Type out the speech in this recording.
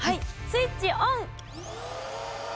スイッチオン！